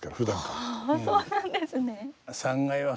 ああそうなんですね。